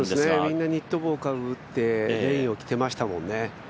みんなニット帽をかぶってレインを着てましたもんね。